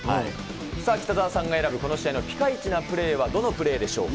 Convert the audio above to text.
さあ北澤さんが選ぶこの試合のピカイチなプレーはどのプレーでしょうか。